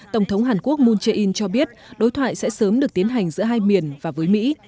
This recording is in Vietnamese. tổng thống hàn quốc moon jae in cho biết đối thoại sẽ sớm được tiến hành giữa hai miền và với mỹ